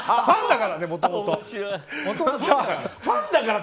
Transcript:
ファンだから、もともと。